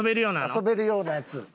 遊べるようなやつ。